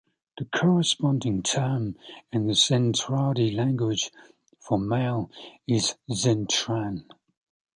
The corresponding term in the Zentradi language for "male" is "Zentran".